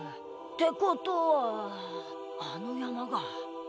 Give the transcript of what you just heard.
ってことはあのやまが。